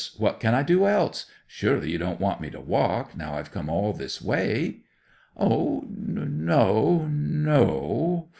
What can I do else? Surely you don't want me to walk, now I've come all this way?" '"O no, no!